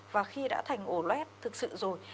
và khi đã thành ổ lết thực sự rồi